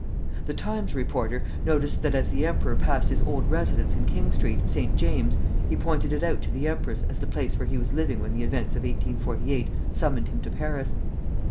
The "Times" reporter noticed that as the emperor passed his old residence in King Street, St. James's, he pointed it out to the empress as the place where he was living when the events of 1848 summoned him to Paris.